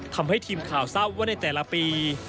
ทำให้ทีมข่าวทราบว่าในแต่ละปี